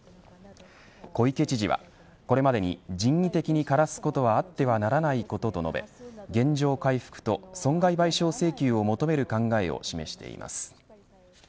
小池知事は、これまでに人為的に枯らすことはあってはならないと述べ原状回復と損害賠償請求を求める考えを示しています。